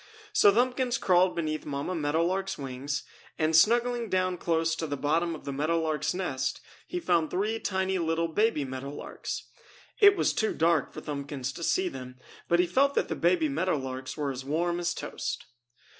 So Thumbkins crawled beneath Mamma Meadow Lark's wings and, snuggling down close to the bottom of the meadow lark's nest, he found three tiny little baby meadow larks. It was too dark for Thumbkins to see them, but he felt that the baby Meadow Larks were as warm as toast.